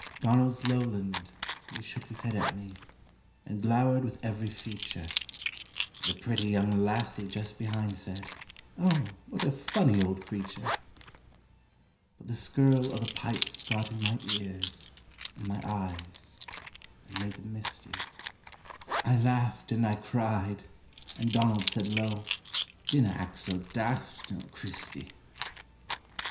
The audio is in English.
Donald's lowland, he shook his head at me, And glowered with every feature, And a pretty young lassie just behind Said: "Oh, what a funny old creature!" But the skirl o' the pipes got in my ears, In my eyes, and made them misty; I laughed and I cried, and Donald said low: "Dinna act so daft, noo, Christy!"